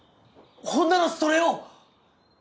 ほんならそれを！